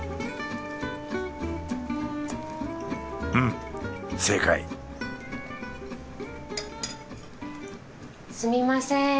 うん正解すみません。